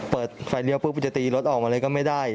เปิดไฟเลี่ยวเพื่อจะตีรถออกมาเลยก็ไม่ได้